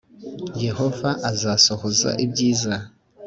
Yehova azasohoza ibyiza.